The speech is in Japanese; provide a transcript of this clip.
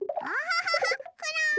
あら？